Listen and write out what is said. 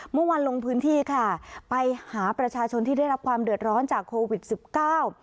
เมื่อวานลงพื้นที่ค่ะไปหาประชาชนที่ได้รับความเดือดร้อนจากโควิดสิบเก้า